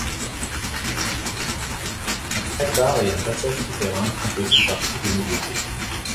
Un snack-bar et un passage souterrain font aussi partie des nouveautés.